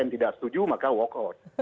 tidak setuju maka walk out